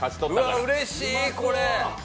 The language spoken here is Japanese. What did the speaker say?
うわ、うれしい、これ。